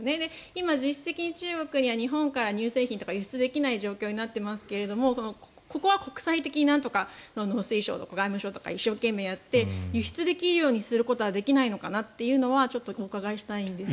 今、実質的に中国には日本から乳製品とか輸出できない状況になっていますけどここは国際的に農水省とか外務省とかが一生懸命やって輸出できるようにはならないのかなってちょっとお伺いしたいんですが。